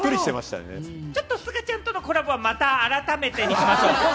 ちょっと、すがちゃんとのコラボはまた改めてにしましょう。